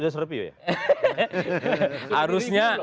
udah serpi ya